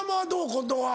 近藤は。